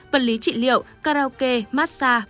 vật lý trị liệu karaoke massage